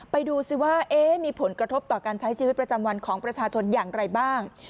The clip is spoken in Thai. ไปดูซิว่ามีผลกระทบต่อการใช้ชีวิตประจำวันของประชาชนอย่างไรบ้าง